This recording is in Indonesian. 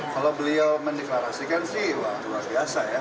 kalau beliau mendeklarasikan sih wah luar biasa ya